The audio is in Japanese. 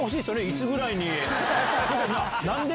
いつぐらいに。